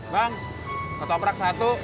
bang ketoprak satu